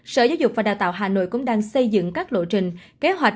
sở giáo dục và đào tạo hà nội cũng đang xây dựng các lộ trình kế hoạch